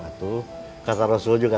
itu kata rasul juga